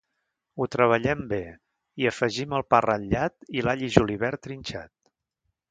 Ho treballem bé, hi afegim el pa ratllat i l’all i julivert trinxat.